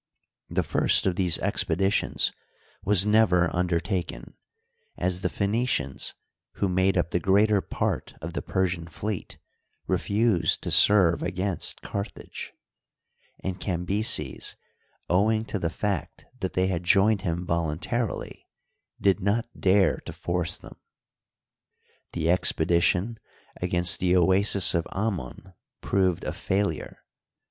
The first of these expeditions was never undertaken, as the Phoenicians, who made up the greater part of the Persian fleet, refused to serve against Carthaee ; and Cambyses, owing to the fact that they had joined him voluntarily, did not dare to force them. The expedition against the Oasis of Amon proved a failure.